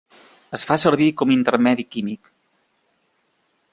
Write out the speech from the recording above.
Es fa servir com intermedi químic.